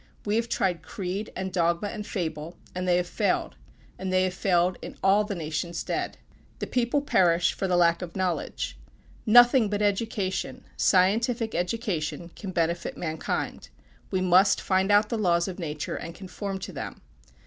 We have tried creed, and dogma and fable, and they have failed; and they have failed in all the nations dead. The people perish for the lack of knowledge. Nothing but education scientific education can benefit mankind. We must find out the laws of nature and conform to them.